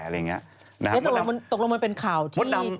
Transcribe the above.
ตกลงมันเป็นข่าวที่